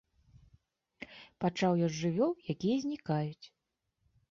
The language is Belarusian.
Пачаў я з жывёл, якія знікаюць.